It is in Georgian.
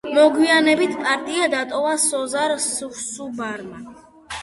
მოგვიანებით პარტია დატოვა სოზარ სუბარმა.